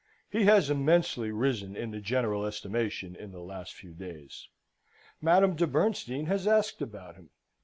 He has immensely risen in the general estimation in the last few days. Madame de Bernstein has asked about him.